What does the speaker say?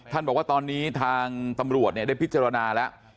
บอกว่าตอนนี้ทางตำรวจได้พิจารณาแล้ว